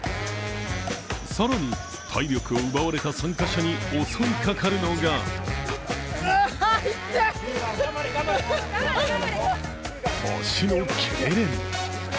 更に体力を奪われた参加者に襲いかかるのが足のけいれん。